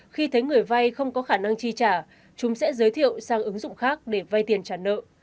khi thấy người vay không có khả năng chi trả chúng sẽ giới thiệu sang ứng dụng khác để vay tiền trả nợ